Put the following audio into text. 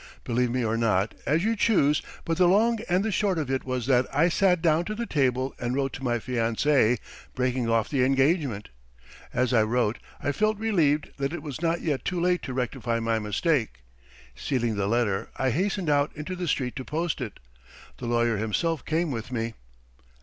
"Believe me or not, as you choose, but the long and the short of it was that I sat down to the table and wrote to my fiancée, breaking off the engagement. As I wrote I felt relieved that it was not yet too late to rectify my mistake. Sealing the letter, I hastened out into the street to post it. The lawyer himself came with me.